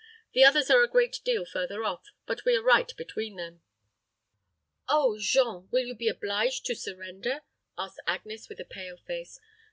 "The others are a great deal further off; but we are right between them." "Oh; Jean, will you be obliged to surrender?" asked Agnes, with a pale face.